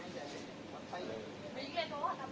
สวัสดีครับ